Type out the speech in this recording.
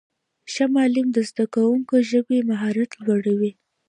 ښه معلم د زدهکوونکو ژبنی مهارت لوړوي.